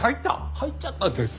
入っちゃったんです。